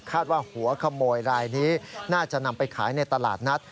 ว่าหัวขโมยรายนี้น่าจะนำไปขายในตลาดนัด